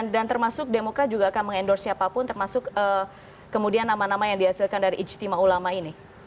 dan termasuk demokrat juga akan mengendorse siapapun termasuk kemudian nama nama yang dihasilkan dari ijtima ulama ini